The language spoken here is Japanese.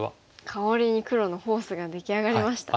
かわりに黒のフォースが出来上がりましたね。